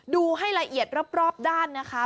ดูให้ละเอียดรอบด้านนะคะ